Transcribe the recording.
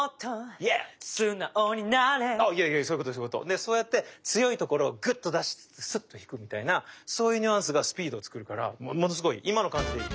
でそうやって強いところをグッと出しつつスッと引くみたいなそういうニュアンスがスピードを作るからものすごい今の感じでいい。